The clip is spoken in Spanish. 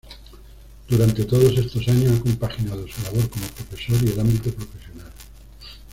Durante todos estos años ha compaginado su labor como profesor y el ámbito profesional.